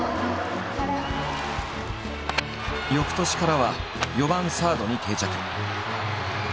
翌年からは４番サードに定着。